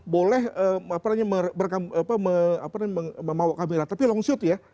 boleh merekam apa namanya memawak kamera tapi long shoot ya